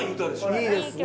いいですね。